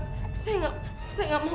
pergi walau saya dulu